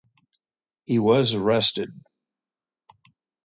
He was arrested.